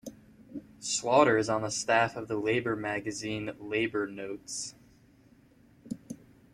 Slaughter is on the staff of the labor magazine Labor Notes.